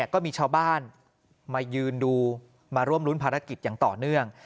ก็มีชาวบ้านมายืนดูมาร่วมรุ้นภารกิจอย่างต่อเนื่อง